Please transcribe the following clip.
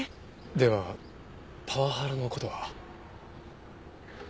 ではパワハラの事は？